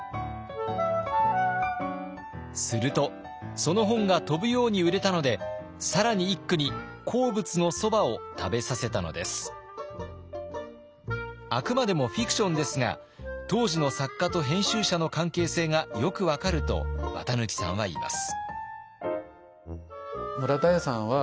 するとその本が飛ぶように売れたので更に一九にあくまでもフィクションですが当時の作家と編集者の関係性がよく分かると綿抜さんは言います。